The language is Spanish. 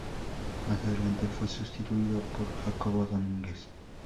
Más adelante fue sustituido por Jacobo Domínguez.